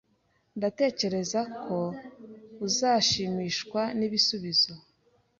Ndatekereza ko uzashimishwa nibisubizo.